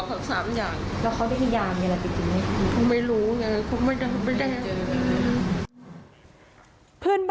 ก็ไม่ได้ติดต่ออีกเลยไม่ได้ติดต่อเลย